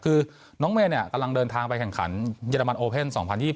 คือน้องเมย์กำลังเดินทางไปแข่งขันเยอรมันโอเพ่น๒๐๒๐